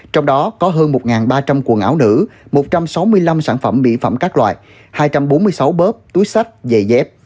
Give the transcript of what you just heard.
trong đó có hơn một ba trăm linh quần áo nữ một trăm sáu mươi năm sản phẩm mỹ phẩm các loại hai trăm bốn mươi sáu bớp túi sách giày dép